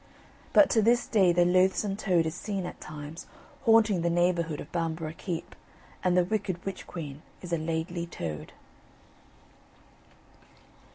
But to this day, the loathsome toad is seen at times, haunting the neighbourhood of Bamborough Keep, and the wicked witch queen is a Laidly Toad.